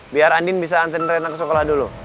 biar andin bisa bawa reina ke sekolah dulu